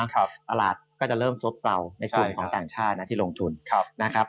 ตลาดก็จะเริ่มซบเซาในกลุ่มของต่างชาติที่ลงทุน